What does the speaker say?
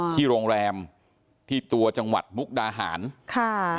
ที่โรงแรมที่ตัวจังหวัดมุกดาหารค่ะ